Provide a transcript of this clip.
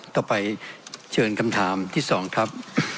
ต่อไปเชิญคำถามที่๒ครับ